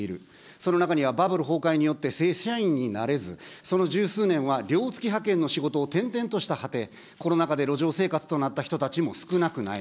その中にはバブル崩壊によって正社員になれず、その十数年は寮付き派遣の仕事を転々とした果て、コロナ禍で路上生活となった人たちも少なくない。